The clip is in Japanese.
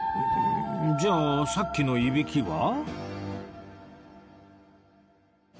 じゃあさっきのいびきは？